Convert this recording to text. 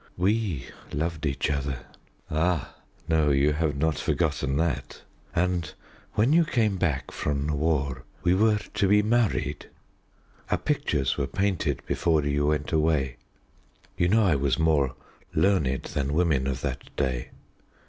We loved each other ah! no, you have not forgotten that and when you came back from the war we were to be married. Our pictures were painted before you went away. You know I was more learned than women of that day.